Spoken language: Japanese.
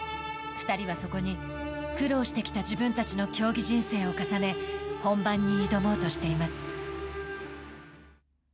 ２人はそこに苦労してきた自分たちの競技人生を重ね本番に挑もうとしています。